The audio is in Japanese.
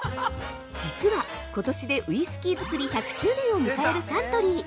◆実は、ことしでウイスキーづくり１００周年を迎えるサントリー。